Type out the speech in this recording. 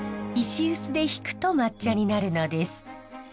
石臼でひくと抹茶になるのです。